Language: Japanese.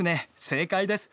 正解です。